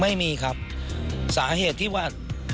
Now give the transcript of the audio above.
ไม่มีครับสาเหตุที่ว่า